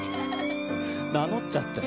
名乗っちゃったよ。